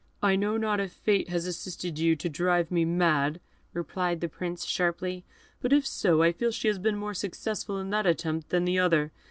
"I know not if Fate has assisted you to drive me mad," replied the Prince, sharply; "but if so, I feel she has been more successful in that attempt than the other.